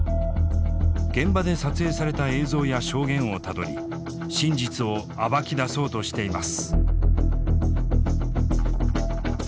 現場で撮影された映像や証言をたどり真実を暴き出そうとしています。